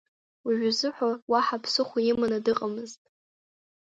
Уажәазыҳәа уаҳа ԥсыхәа иманы дыҟамызт.